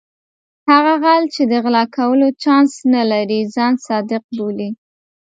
هغه غل چې د غلا کولو چانس نه لري ځان صادق بولي.